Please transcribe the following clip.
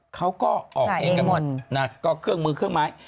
เขาก็ออกเองกันหมดนะก็เครื่องมือเครื่องไม้